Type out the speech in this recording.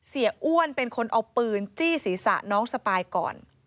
อ้วนเป็นคนเอาปืนจี้ศีรษะน้องสปายก่อน